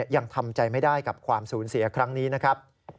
ยังทำใจไม่ได้กับความสูญเสียครั้งนี้นะครับ